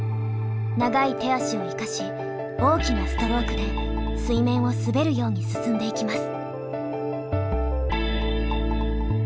長い手足を生かし大きなストロークで水面を滑るように進んでいきます。